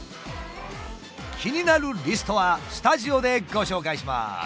気になるリストはスタジオでご紹介します！